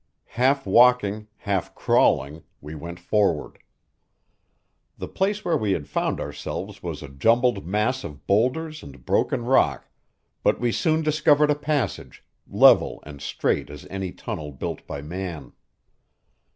Half walking, half crawling, we went forward. The place where we had found ourselves was a jumbled mass of boulders and broken rock, but we soon discovered a passage, level and straight as any tunnel built by man.